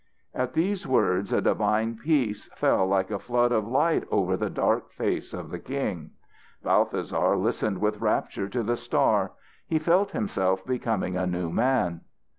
'" At these words a divine peace fell like a flood of light over the dark face of the king. Balthasar listened with rapture to the star. He felt himself becoming a new man.